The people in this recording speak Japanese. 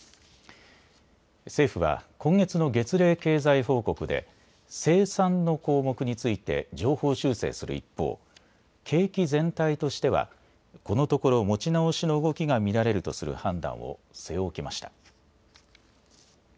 政府は、今月の月例経済報告で、生産の項目について、上方修正する一方、景気全体としては、このところ持ち直しの動きが見られるとする判断を据え置きました。